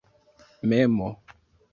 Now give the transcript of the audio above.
memo